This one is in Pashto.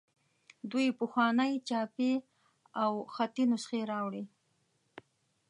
دوی پخوانۍ چاپي او خطي نسخې راوړي.